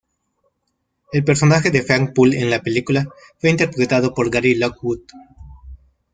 El personaje de Frank Poole en la película fue interpretado por Gary Lockwood.